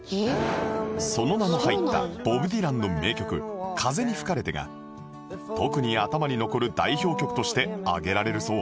その名の入ったボブ・ディランの名曲『風に吹かれて』が特に頭に残る代表曲として挙げられるそう